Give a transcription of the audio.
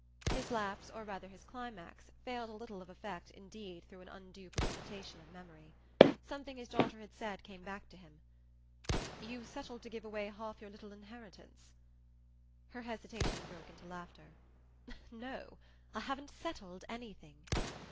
His lapse, or rather his climax, failed a little of effect indeed through an undue precipitation of memory. Something his daughter had said came back to him. "You've settled to give away half your little inheritance?" Her hesitation broke into laughter. "No I haven't 'settled' anything."